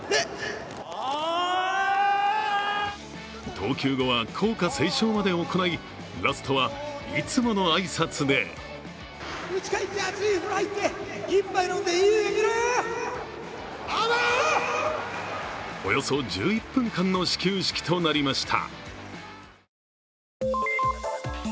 投球後は校歌斉唱まで行い、ラストはいつもの挨拶でおよそ１１分間の始球式となりました。